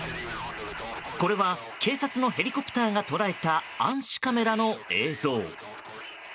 これは警察のヘリコプターが捉えた暗視カメラの映像。